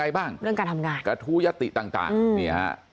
เรื่องการทำงาน